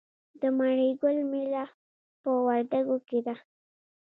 د مڼې ګل میله په وردګو کې ده.